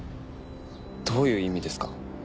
どういう意味ですか？